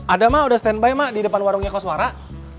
ada mah udah standby di depan warungnya kos warak